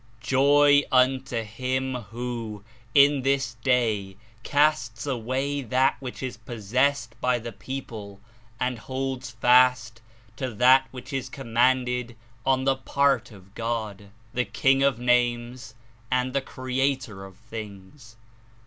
"Joy unto him who, in this Day, casts away that which is possessed by the people and holds fast to that which is commanded on the part of God, the 82 King of Names and the Creator of things."